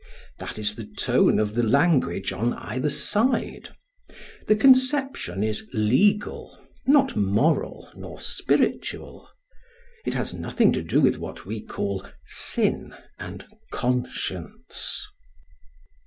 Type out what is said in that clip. that is the tone of the language on either side. The conception is legal, not moral nor spiritual; it has nothing to do with what we call sin and conscience.